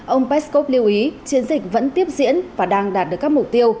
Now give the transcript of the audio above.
ông peskov lưu ý chiến dịch vẫn tiếp diễn và đang đạt được các mục tiêu